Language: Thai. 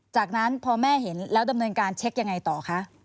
จากนั้นพอแม่เห็นแล้วดำเนินการเช็คยังไงต่อคะ